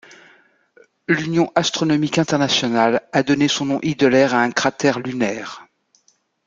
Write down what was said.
L'Union astronomique internationale a donné son nom Ideler à un cratère lunaire.